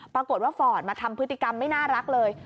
ปรากฏว่าฟอร์ดมาทำพฤติกรรมไม่น่ารักเลย